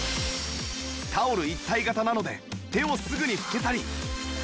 タオル一体型なので手をすぐに拭けたり